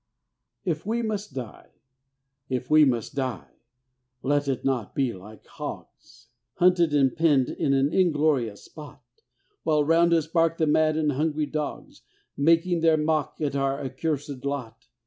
IF WE MUST DIE If we must die let it not be like hogs Hunted and penned in an inglorious spot, While round us bark the mad and hungry dogs, Making their mock at our accursed lot.